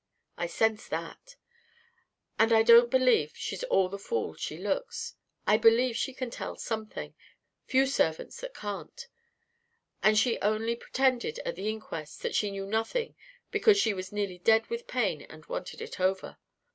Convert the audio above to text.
I sensed that. And I don't believe she's all the fool she looks. I believe she can tell something few servants that can't and that she only pretended at the inquest that she knew nothing because she was nearly dead with pain and wanted it over.